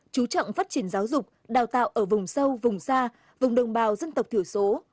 chú trọng phát triển giáo dục đào tạo ở vùng sâu vùng xa vùng đồng bào dân tộc thiểu số